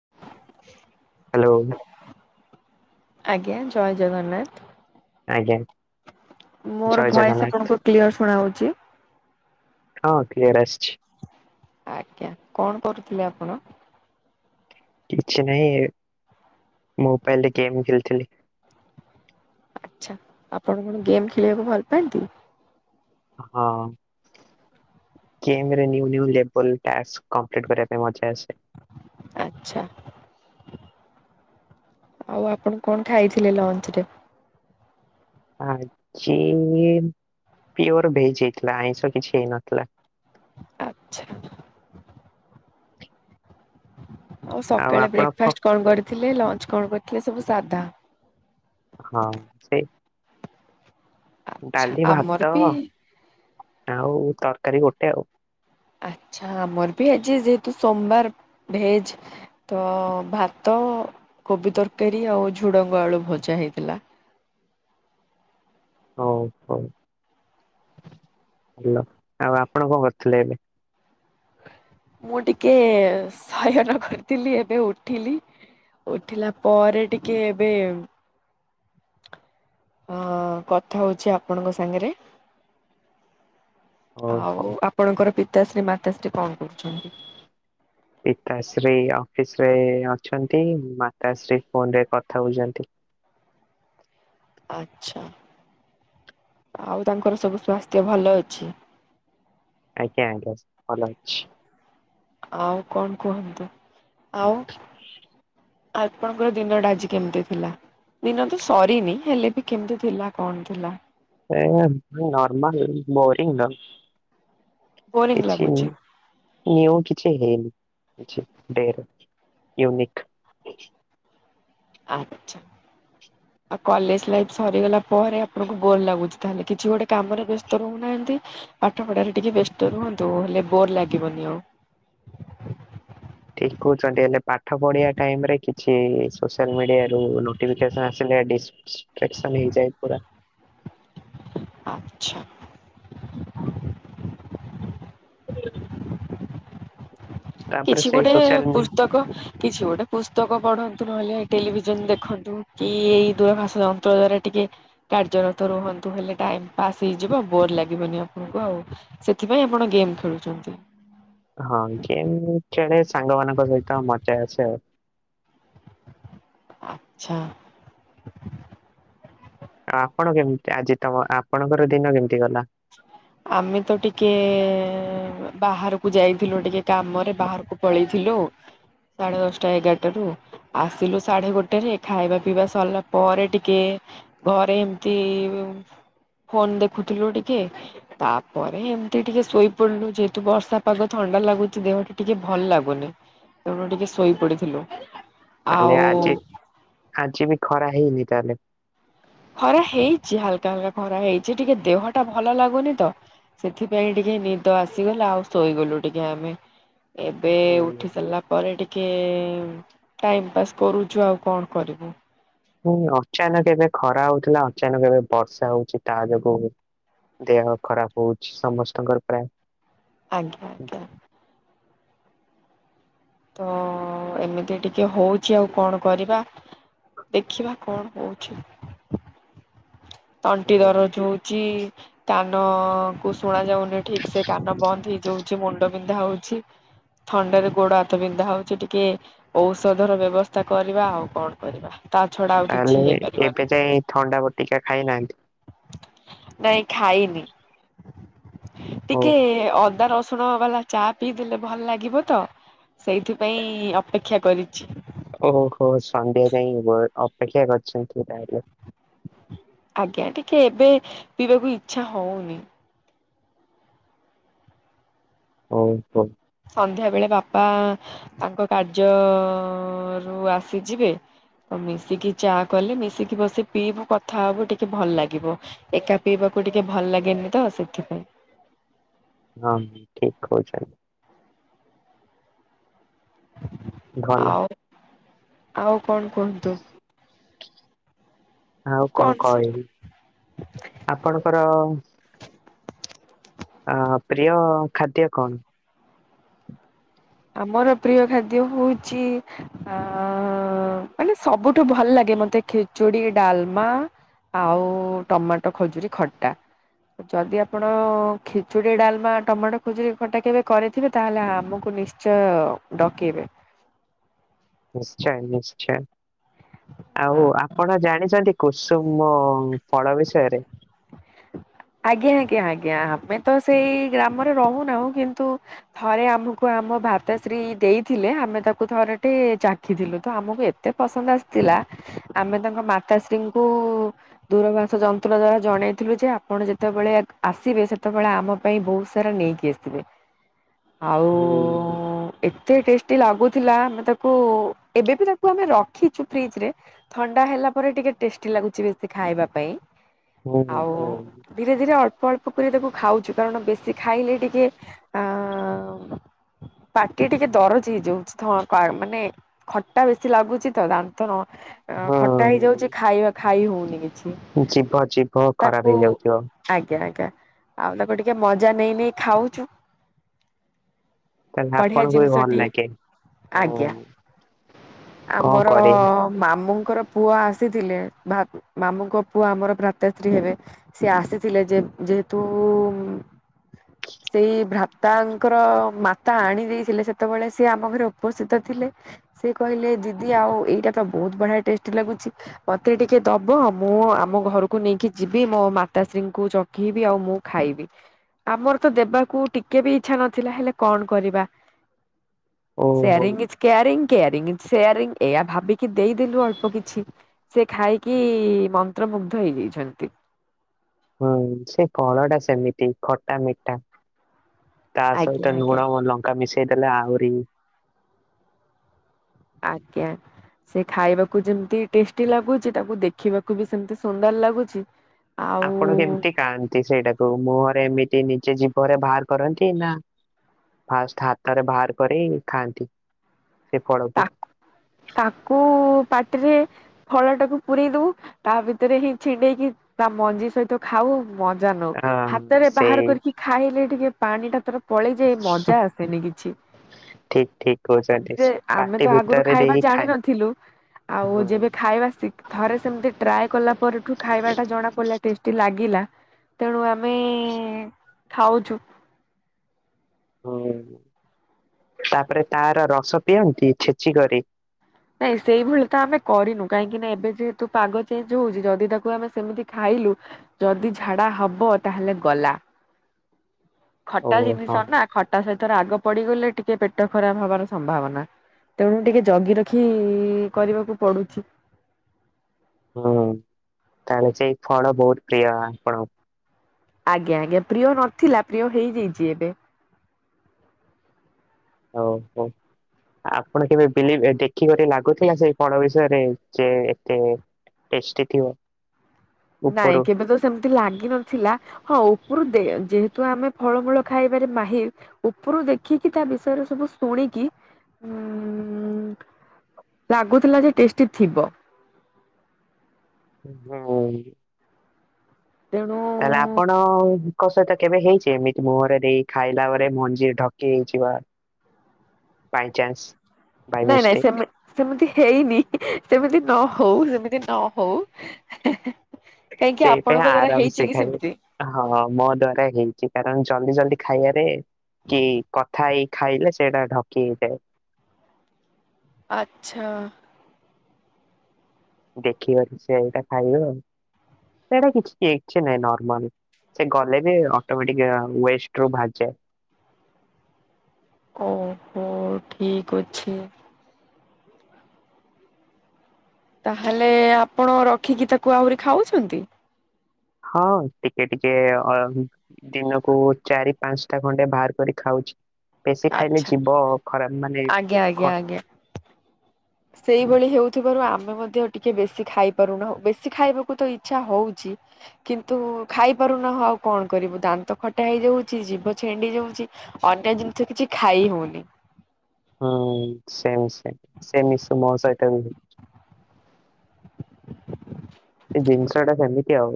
Hello ଆଜ୍ଞା ଜୟ ଜଗନ୍ନାଥ ଆଜ୍ଞା। ମୋର ଜୟ ଭଏସ ଜଗନ୍ନାଥ ଆପଣଙ୍କୁ କ୍ଲିୟର ଶୁଣା ହଉଛି ହଁ କ୍ଲିୟର୍ ଆସିଛି। ଆଜ୍ଞା କଣ କରୁଥିଲେ ଆପଣ? କିଛି ନାହିଁଏ ମୋବାଇଲରେ ଗେମ୍ ଖେଳିଥିଲି ଆଛା ଆପଣ କଣ ଗେମ୍ ଖେଳିବାକୁ ଭଲ ପାଆନ୍ତି। ହଁ ଗେମ ରେ new new level task complete କରିବା ପାଇଁ ମଜା ଆସେ। ଆଚ୍ଛା ଆଉ ଆପଣ କଣ ଖାଇଥିଲେ ଲଞ୍ଚ ରେ? ଆଜି ପିଓର ଭେଜ ହେଇଥିଲା ଆଇଁଷ କିଛି ହେଇନଥିଲା ଆଚ୍ଛା। ଆଉ ସକାଳେ ଆପଣ କ ବ୍ରେକ୍ଫାଷ୍ଟ କଣ କରିଥିଲେ ଲଞ୍ଚ କଣ କରିଥିଲେ ସବୁ ସାଧା। ହଁ ସେଇ ଆଚ୍ଛା ଡାଲି ଆମର ଭାତ ବି ଆଉ ତରକାରୀ ଗୋଟେ ଆଉ ଆଛା ଆମର ବି ଆଜି ଯେହେତୁ ସୋମବାର ଭେଜେ। ତ-ଅ ଭାତ, କୋବି ତରକାରୀ, ଆଉ ଝୁଡଙ୍ଗ ଆଳୁ ଭଜା ହେଇଥିଲା। ହଉ ହଉ ଭଲ। ଆଉ ଆପଣ କଣ କରୁଥିଲେ ଏବେ? ମୁଁ ଟିକେ ସୟନ କର୍ ଥିଲି ଏବେ ଉଠିଲି ଉଠିଲା ପରେ ଟିକେ ଏବେ ଅଁ କଥା ହୋଉଛି ଆପଣଙ୍କ ସାଙ୍ଗରେ। ହଉ ହଉ ଆଉ ଆପଣଙ୍କର ପିତାଶ୍ରୀ ମାତାଶ୍ରୀ କଣ କରୁଛନ୍ତି? ପିତାଶ୍ରୀ ଅଫିସରେ ଅଛନ୍ତି। ମାତାଶ୍ରୀ ଫୋନରେ କଥା ହଉଛନ୍ତି। ଆଚ୍ଛା। ଆଉ ତାଙ୍କର ସବୁ ସ୍ୱାସ୍ଥ୍ୟ ଭଲ ଅଛି? ଆଜ୍ଞା ଆଜ୍ଞା ଭଲ ଅଛି। ଆଉ କଣ କୁହନ୍ତୁ, ଆଉ? ଆପଣଙ୍କର ଦିନଟା ଆଜି କେମିତି ଥିଲା? ଦିନ ତ ସରିନି ହେଲେ ବି କେମିତି ଥିଲା କଣ ଥିଲା? ଏ ଏ ନର୍ମାଲ୍ ବୋରିଙ୍ଗ ବୋରିଂ କିଛି ଲାଗୁଛି? ନିଉ କିଛି ହେଇନି କିଛି ଡେ ରେ ୟୁନିକ୍। ଆଛା। ଆଉ କଲେଜ ଲାଇଫ ସରିଗଲା ପରେ ଆପଣଙ୍କୁ ବୋର୍ ଲାଗୁଛି ତାହେଲେ। କିଛି ଗୋଟେ କାମରେ ବ୍ୟସ୍ତ ରହୁନାହାନ୍ତି। ପାଠ ପଢାରେ ଟିକେ ବ୍ୟସ୍ତ ରୁହନ୍ତୁ ହେଲେ ବୋର୍ ଲାଗିବନି ଆଉ। ଠିକ କହୁଛନ୍ତି ହେଲେ ପାଠ ପଢିବା ଟାଇମରେ କିଛି ସୋସିଆଲ ମିଡିଆରୁ ନୋଟିଫିକେସନ ଆସିଲେ ଡିସ୍ ଷ୍ଟ୍ରେକ୍ସନ୍ ହେଇଯାଏ ପୁରା। ଆଚ୍ଛା। ତାପରେ କିଛି ସେଇ ଗୋଟେ ସୋସିଆଲ ମି ପୁସ୍ତକ କିଛି ଗୋଟେ ପୁସ୍ତକ ପଢ଼ନ୍ତୁ ନହେଲେ ଟେଲିଭିଜନ ଦେଖନ୍ତୁ କି ଏଇ ଦୂରଭାଷ ଯନ୍ତ୍ର ଦ୍ଵାରା ଟିକେ କାର୍ଯ୍ୟରତ ରୁହନ୍ତୁ ହେଲେ ଟାଇମ ପାସ୍ ହେଇଯିବ ବୋର୍ ଲାଗିବନି ଆପଣଙ୍କୁ ଆଉ। ସେଥିପାଇଁ ଆପଣ ଗେମ୍ ଖେଳୁଛନ୍ତି। ହଁ ଗେମ୍ ଖେଳେ ସାଙ୍ଗମାନଙ୍କ ସହିତ ମଜା ଆସେ ଆଉ। ଆଚ୍ଛା। ଆ ଆପଣ କେମତି ଆଜି ତମ ଆପଣଙ୍କର ଦିନ କେମିତି ଗଲା? ଆମେ ତ ଟିକେ ବାହାରକୁ ଯାଇଥିଲୁ ଟିକେ କାମରେ ବାହାରକୁ ପଳେଇଥିଲୁ। ସାଢ଼େ ଦଶଟା ଏଗାରଟାରୁ। ଆସିଲୁ ସାଢେ ଗୋଟେରେ ଖାଇବା ପିଇବା ସରିଲା ପରେ ଟିକେ ଘରେ ଏମିତି ଫୋନ ଦେଖୁଥିଲୁ ଟିକେ ତାପରେ ଏମିତି ଟିକେ ଶୋଇପଡିଲୁ ଯେହେତୁ ବର୍ଷା ପାଗ ଥଣ୍ଡା ଲାଗୁଛି ଦେହଟା ଟିକେ ଭଲ ଲାଗୁନି। ତେଣୁ ଟିକେ ଶୋଇ ପଡିଥିଲୁ। ତାହାଲେ ଆଉ ଆଜି ଆଜି ବି ଖରା ହେଇନି ତାହେଲେ। ଖରା ହେଇଚି ହାଲ୍କା ହାଲ୍କା ଖରା ହେଇଚି ଟିକେ ଦେହଟା ଭଲ ଲାଗୁନି ତ। ସେଥିପାଇଁ ଟିକେ ନିଦ ଆସିଗଲା ଆଉ ଶୋଇଗଲୁ ଟିକେ ଆମେ ଏବେ ହୁଁ ଉଠି ସାରିଲା ପରେ ଟିକେ ଟାଇମ ପାସ୍ କରୁଛୁ ଆଉ କଣ କରିବୁ। ହୁଁ, ଅଚାନକ ଏବେ ଖରା ହଉଥିଲା ଅଚାନକ ଏବେ ବର୍ଷା ହଉଛି ତା ଯୋଗୁ ଦେହ ଖରାପ ହଉଛି ସମସ୍ତଙ୍କର ପ୍ରାୟ। ଆଜ୍ଞା ଆଜ୍ଞା। ତ ଏମିତି ଟିକେ ହୋଉଚି ଆଉ କଣ କରିବା। ଦେଖିବା କଣ ହୋଉଛି। ତଣ୍ଟି ହୁଁ, ଦରଜ ହୋଉଚି କାନକୁ ଶୁଣା ଯାଉନି ଠିକ ସେ କାନ ବନ୍ଦ ହେଇଯାଉଛି, ମୁଣ୍ଡ ବିନ୍ଧା ହଉଛି। ଥଣ୍ଡାରୁ ଗୋଡ ହାତ ବିନ୍ଧା ହଉଛି ଟିକେ। ଔଷଧର ବ୍ୟବସ୍ଥା କରିବା ଆଉ କଣ କରିବା ତା ଛଡା ଆଉ ତାହେଲେ କିଛି ଏବେ ହେଇପାରିବନି। ଯାଇ ଥଣ୍ଡା ବଟିକା ଖାଇନାଆନ୍ତି? ନାଇଁ ଖାଇନି ଓ ଟିକେ ଅ ଦା ରସୁଣ ବାଲା ଚା ପିଇଦେଲେ ଭଲ ଲାଗିବ ତ ସେଇଥିପାଇଁ ଅପେକ୍ଷା କରିଛି। ଓହୋ ସନ୍ଧ୍ୟା ଯାଇଁ ଅପେକ୍ଷା କରିଛନ୍ତି ତାହେଲେ। ଆଜ୍ଞା ଟିକେ ଏବେ ପିଇବାକୁ ଇଛା ହଉନି। ହଉ, ହଉ। ସନ୍ଧ୍ୟା ବେଳେ ବାପା-ଆ-ଆ ତାଙ୍କ କାର୍ଯ୍ୟ-ଅ-ଅ-ଅ ରୁ ଆସି ଯିବେ। ତ ମିଶିକି ଚା କଲେ ମିଶିକି ବସିକି ପିଇବୁ କଥା ହବୁ ଟିକେ ଭଲ ଲାଗିବ। ଏକା ପିଇବାକୁ ଟିକେ ଭଲ ଲାଗେନି ତ ସେଥିପାଇଁ। ହଁ ଠିକ କହୁଛନ୍ତି। ଭଲ ଆଉ, ଆଉ କଣ କୁହନ୍ତୁ? ଆଉ କଣ କହିବି ଆପଣଙ୍କର ଆ-ଆ ପ୍ରିୟ ଖାଦ୍ୟ କଣ? ଆମର ପ୍ରିୟ ଖାଦ୍ୟ ହଉଛି ଆ-ଆ-ଆ-ଆ ମାନେ ସବୁଠୁ ଭଲ ଲାଗେ ମତେ ଖେଚୁଡି, ଡାଲମା ଆଉ-ଉ-ଉ-ଉ ଟମାଟୋ, ଖଜୁରୀ ଖଟା। ଯଦି ଆପଣ-ଅ-ଅ ଖେଚୁଡ଼ି, ଡାଲମା, ଟମାଟୋ, ଖଜୁରି ଖଟା କେବେ କରିଥିବେ ତାହେଲେ ଆମକୁ ନିଶ୍ଚ ଚୟ ଡକେଇବେ। ନିଶ୍ଚୟ, ନିଶ୍ଚୟ। ଆଉ ଆପଣ ଜାଣିଛନ୍ତି କୁସୁମ ଫଳ ବିଷୟରେ। ଆଜ୍ଞା, ଆଜ୍ଞା, ଆଜ୍ଞା ଆମେ ତ ସେଇ ଗ୍ରାମରେ ରହୁ ନାହୁଁ କିନ୍ତୁ ଥରେ ଆମକୁ ଆମ ଭାତାଶ୍ରୀ ଦେଇଥିଲେ ଆମେ ତାକୁ ଥରେ ଟେ ଚାକ ଖିଥିଲୁ ତ ଆମକୁ ଏତେ ପସନ୍ଦ ଆସିଥିଲା ଆମେ ତାଙ୍କ ମାତାଶ୍ରୀ ଙ୍କୁ-ଉ-ଉ-ଉ ଦୂରଭାସ ଯନ୍ତ୍ର ଦ୍ଵାରା ଜଣେ ଥିଲୁ ଯେ ଆପଣ ଯେତେବେଳେ କ୍ ଆସିବେ, ସେତେବେଳେ ଆମ ପାଇଁ ବହୁତ ସାରା ନେଇକି ଆସିଥିବେ। ହୁଁ ଆଉ-ଉ-ଉ-ଉ-ଉ ଏ ଏତେ ଟେଷ୍ଟି ଲାଗୁଥିଲା ଆମେ ତାକୁ-ଉ-ଉ ଏବେ ବି ତାକୁ ଆମେ ରଖିଛୁ ଫ୍ରିଜ ରେ। ଥଣ୍ଡା ହେଲା ପରେ ଟିକେ ଟେଷ୍ଟି ଲାଗୁଛି ବେଶୀ ଖାଇବା ପାଇଁ। ହୁଁ ହୁଁ। ଆଉ-ଉ-ଉ-ଉ ଧୀରେ ଧୀରେ ଅଳ୍ପ ଅଳ୍ପ କରି ତାକୁ ଖାଉଛୁ। କାରଣ ବେଶୀ ଖାଇଲେ ଟିକେ ଆ-ଆ-ଆ-ଆ ପାଟି ଟିକେ ଦରଜ ହେଇଯାଉଛି ଥ ପା ମାନେ ଖଟା ବେଶୀ ଲାଗୁଛି ତ ଦାନ୍ତ ନ ଅ ଖଟା ହେଇଯାଉଛି ଖାଇବା ଖାଇ ହଉନି କିଛି। ଜିବ ଜିପ୍ ତାକୁ ଆଜ୍ଞା, ଆଜ୍ଞା ଆଉ ତାକୁ ଟିକେ ମଜା ନେଇ, ନେଇ ଖାଉଛୁ। ତାହେଲେ ବଢିଆ ଆପଣଙ୍କୁ ବି ଜିନିଷ ଭଲ ଟିଏ ଲାଗେ। ଆଜ୍ଞା। ହଁ କଣ କରିବା ଆମର-ଅ-ଅ-ଅ ମାମୁଁ ଙ୍କର ପୁଅ ଆସିଥିଲେ, ଭାବ୍ ମାମୁଙ୍କ ପୁଅ ଆମର ଭା ତା ଶ୍ରୀ ହେବେ ସେ ଆସିଥିଲେ ଯେ ଯେହେତୁ-ଉ-ଉ-ଉ ସେଇ ଭ୍ରାତାଙ୍କର ମାତା ଆଣି ଦେଇଥିଲେ, ସେତେ ବେଳେ ସିଏ ଆମ ଘରେ ଉପସ୍ଥିତ ଥିଲେ। ସେ କହିଲେ ଦିଦି ଆଉ ଏଇଟା ତ ବହୁତ ବଢ଼ିଆ ଟେଷ୍ଟି ଲାଗୁଛି। ମତେ ଟିକେ ଦବ ମୁଁ ଆମ ଘର କୁ ନେଇକି ଯିବି ମୋ ମାତାଶ୍ରୀ ଙ୍କୁ ଚଖେଇବି ଆଉ ମୁଁ ଖାଇବି। ଆମର ତ ଦେବାକୁ ଟିକେ ବି ଇଛା ନଥିଲା ହେଲେ କଣ କରିବା। ଓହୋ sharing is caring caring is sharing ଏଇ ଆ ଭାବିକି ଦେଇଦେଲୁ ଅଳ୍ପ କିଛି। ସେ ଖାଇକି-ଇ-ଇ-ଇ ମନ୍ତ୍ରମୁଗ୍ଧ ହେଇ ଯାଇଛନ୍ତି। ହୁଁ ସେ ଫଳ ଟା ସେମିତି ଖଟା, ମିଠା ତା ଆଜ୍ଞା ସହିତ ଆଜ୍ଞା ଲୁଣ ଓ ଲ ଙ୍କା ମିଶେଇ ଦେଲେ ଆହୁରିି। ଆଜ୍ଞା। ସେ ଖାଇବାକୁ ଯେମିତି ଟେଷ୍ଟି ଲାଗୁଛି ତାକୁ ଦେଖିବାକୁ ବି ସେମତି ସୁନ୍ଦର ଲାଗୁଛି। ଆଉ ଆପଣ କେମିତି ଖାଆନ୍ତି ସେଇଟାକୁ ମୁହଁରେ ଏମିତି ନିଜେ ଜୀବରେ ବାହାର କରନ୍ତି ନା ଫାଷ୍ଟ୍ ହାତରେ ବାହାର କରି ଖାଆନ୍ତି ସେ ଫଳକୁ? ତାକୁ-ଉ-ଉ-ଉ ପାଟିରେ ଫଳ ଟାକୁ ପୁରେଇ ଦଉ ତା ଭିତରେ ହିଁ ଛିଣ୍ଡେଇକି ତା ମଞ୍ଜି ସହିତ ଖାଉ। ମଜା ନଉ ହଁ ହାତରେ ବାହାର ସେଇ କରିକି ଖାଇଲେ ଟିକେ ପାଣି ଟା ତାର ପଳେଇ ଯାଇ ମଜା ଆସେନି କିଛି। ଠିକ୍ ଠିକ୍ କହୁଛନ୍ତି। ରେ ଆମେ ପାଟି ତ ଆଗରୁ ଭିତରେ ଖାଇବା ଦେଇ ଜାଣିି ଖାଏ ନଥିଲୁ ଆଉ ହଁ। ଯେବେ ଖା ଖାଇବା ସିକ ଥରେ ସେମତି ଟ୍ରାଏ କଲା ପରେଠୁ ଖାଇବାଟା ଜଣା ପଡିଲା ଟେଷ୍ଟି ଲାଗିଲା ତେଣୁ ଆମେ ଏଁ ଖାଉଛୁ ହୁଁ ତାପରେ ତାର ରସ ପିଅନ୍ତି ଛେଚିକରି? ନାଇଁ ସେଇଭଳି ତ ଆମେ କରିନୁ କାହିଁକି ନା ଏବେ ଯେହେତୁ ପାଗ ଚେଞ୍ଜ ହଉଛି ଯଦି ତାକୁ ଆମେ ସେମିତି ଖାଇଲୁ ଯଦି ଝାଡା ହବ ତାହେଲେ ଗଲା ଓ ଖଟା ହଁ। ଜିନିଷ ନା। ଖଟା ସହିତ ରାଗ ପଡିଗଲେ ଟିକେ ପେଟ ଖରାପ ହବାର ସମ୍ଭାବନା ତେଣୁ ଟିକେ ଜଗି ରଖ ଖୀ କରିବାକୁ ପଡୁଛି। ହୁଁ ହୁଁ ତାହେନେ ସେଇ ଫଳ ବହୁତ ପ୍ରିୟ ଆପଣ ଆଜ୍ଞା ଆଜ୍ଞା ପ୍ରିୟ ନଥିଲା ପ୍ରିୟ ହେଇଯାଇଛି ଏବେ। ଓହ। ଆପଣ କେବେ ବିଲଭ ଦେଖିକରି ଲାଗୁଥିଲା ସେଇ ଫଳ ବିଷୟରେ ଯେ ଏତେ ଟେଷ୍ଟିଥିବ। ନାଇଁ କେବେ ତ ସେମ ତି ଲାଗିିନଥିଲା ହଁ ଉପରୁ ଦେ ଯେହେତୁ ଆମେ ଫଳମୂଳ ଖାଇବାରେ ମାହିର ଉପରୁ ଦେଖିକି ତା ବିଷୟରେ ସବୁ ଶୁଣିକି ଉଁ ଲାଗୁଥିଲା ଯେ ଟେଷ୍ଟି ଥିବ। ହୁଁ। ତେଣୁ ତାହେଲେ ଆପଣଙ୍କ ସହିତ କେବେ ହେଇଛି ଏମିତି ମୁହଁରେ ଦେଇ ଖାଇଲା ବେଳେ ମଞ୍ଜି ଢକେଇ ହେଇଜିବା ହ ବାଇଚାନ୍ସ। ବାଇ ନାଇଁ ନାଇଁ ମିଷ୍ଟେକ୍ ସେମି ସେମିତି ହେଇନି ସେମିତି ନ ହଉ ସେମିତି ନ ହଉ। କାହିଁକି ସେଇପାଇଁ ଆପଣଙ୍କ ଦ୍ଵାରା ଆରାମ ସେ ହେଇଛି କି ଖାଇବେ। ସେମିତି? ହଁ ମୋ ଦେହରେ ହେଇଛି କାରଣ ଜଲଦି ଜଲଦି ଖାଇବାରେ କି କଥା ହେଇ ଖାଇଲେ ସେଇରା ଢକି ହେଇଯାଏ। ଆଚ୍ଛା। ଦେଖିବା କି ସେ ଏଇଟା ଖାଇବ ଆଉ ସେଇଟା କିଛି ନାଇଁ ନର୍ମାଲ। ସେ ଗଲେ ବି ଅଟୋମେଟିକ ୱଷ୍ଟେ ରୁ ଭାହାରିଯାଏ। ଓହୋ ଠିକ ଅଛି। ତାହେଲେ ଆପଣ ରଖିକି ତାକୁ ଆହୁରି ଖାଉଛନ୍ତି। ହଁ ଟିକେ ଟିକେ ଅ ଦିନକୁ ଚାରି ପାଞ୍ଚଟା ଖଣ୍ଡେ ବାହାର କରି ଖାଉଛି। ବେଶୀ ଖାଇଲେ ଆଚ୍ଛା ଯିବ ଖରାପ ମାନେ ଆଜ୍ଞା ଆଜ୍ଞା ଖ- ଆଜ୍ଞା। ସେଇଭଳି ହେଉଥିବାରୁ ଆମେ ମଧ୍ୟ ଟିକେ ବେଶୀ ଖାଇ ପାରୁନାହୁ ବେଶୀ ଖାଇବାକୁ ତ ଇଚ୍ଛା ହଉଛି। କିନ୍ତୁ ଖାଇ ପାରୁନାହୁଁ ଆଉ କଣ କରିବୁ ଦାନ୍ତ ଖଟା ହେଇଯାଉଛି ଜୀବ ଛେଣ୍ଡି ଯାଉଛି। ଅନ୍ୟ ଜିନିଷ କିଛି ଖାଇ ହଉନି। ହୁଁ ସେମ ସେ ସେମ ମିଶି ମୋ ସହିତ ହୁଏ। ଏ ଜିନିଷ ଟା ସେମିତି ଆଉ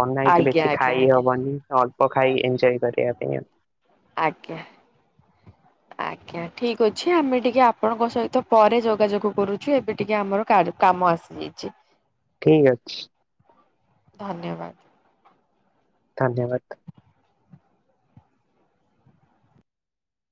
ବନେଇଚି ଆଜ୍ଞା ବେଶି ଆଜ୍ଞା ଖାଇ ଆଜ୍ଞା ହବନି। ଅଳ୍ପ ଖାଇ ଏନଜୟ କରି ପାଇଁ ଆଉ। ଆଜ୍ଞା। ଆଜ୍ଞା ଠିକ ଅଛି ଆମେ ଟିକେ ଆପଣଙ୍କ ସହିତ ପରେ ଯୋଗାଯୋଗ କରୁଛୁ ଏବେ ଟିକେ ଆମର କାର୍ କାମ ଆସିଯାଇଛି। ଠିକ୍ ଅଛି। ଧନ୍ୟବାଦ। ଧନ୍ୟବାଦ।